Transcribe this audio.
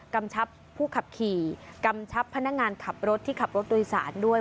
กำชับผู้ขับขี่กำชับพนักงานขับรถที่ขับรถโดยสารด้วย